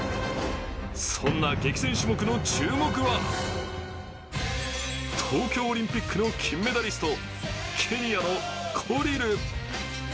そんな激戦種目の注目は東京オリンピックの金メダリスト、ケニアのコリル。